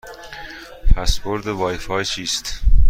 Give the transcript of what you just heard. پسورد وای فای چیست؟